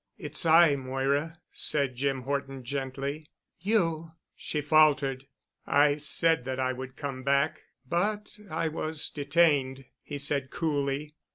"It's I, Moira," said Jim Horton gently. "You—," she faltered. "I said that I would come back, but I—I was detained," he said coolly.